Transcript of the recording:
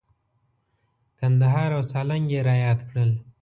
کندهار او سالنګ یې را یاد کړل.